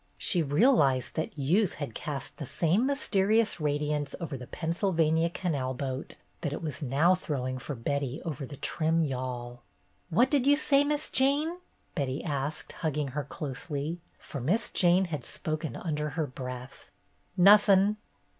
She realized that youth had cast the same mysterious radiance over the Pennsylvania canal boat that it was now throwing for Betty over the trim yawl. "What did you say, Miss Jane?" Betty asked, hugging her closely, for Miss Jane had spoken under her breath. "Nothin'."